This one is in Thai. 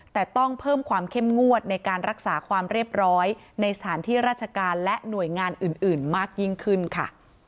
แต่ต้องเพิ่มความเข้มงวดในการรักษาความเรียบร้อยในสถานที่ราชการและหน่วยงานอื่นมากยิ่งขึ้นค่ะ